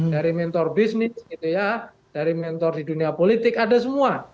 dari mentor bisnis gitu ya dari mentor di dunia politik ada semua